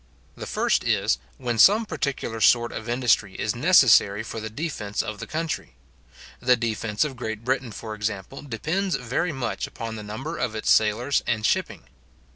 The first is, when some particular sort of industry is necessary for the defence of the country. The defence of Great Britain, for example, depends very much upon the number of its sailors and shipping.